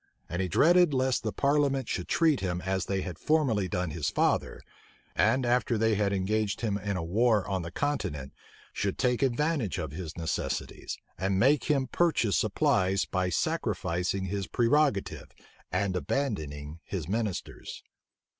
And he dreaded lest the parliament should treat him as they had formerly done his father; and after they had engaged him in a war on the continent, should take advantage of his necessities, and make him purchase supplies by sacrificing his prerogative, and abandoning his ministers.